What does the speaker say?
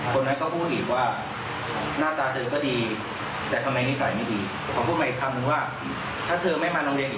คนนั้นก็พูดอีกว่าหน้าตาเธอก็ดี